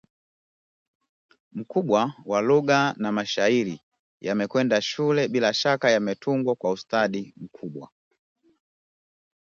mkubwa wa lugha na mashairi yame kwenda shule bila shaka yametungwa kwa ustadi mkubwa